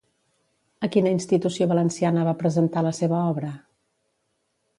A quina institució valenciana va presentar la seva obra?